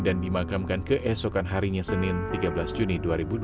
dimakamkan keesokan harinya senin tiga belas juni dua ribu dua puluh